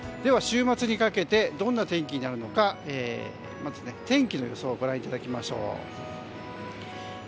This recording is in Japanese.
週末にかけてどんな天気になるのかまず、天気の予想をご覧いただきます。